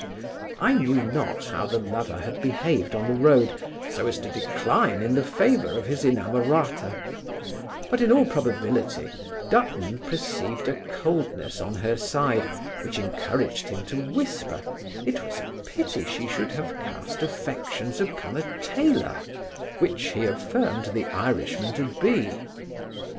I know not how the lover had behaved on the road, so as to decline in the favour of his inamorata; but, in all probability, Dutton perceived a coldness on her side, which encouraged him to whisper, it was a pity she should have cast affections upon a taylor, which he affirmed the Irishman to be.